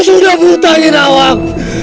aku sudah buta jinawan